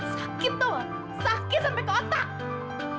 sakit tahu pak sakit sampai ke otak